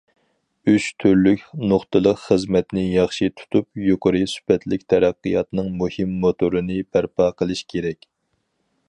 ئۈچ تۈرلۈك نۇقتىلىق خىزمەتنى ياخشى تۇتۇپ، يۇقىرى سۈپەتلىك تەرەققىياتنىڭ مۇھىم موتورىنى بەرپا قىلىش كېرەك.